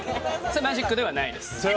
マジックではないです。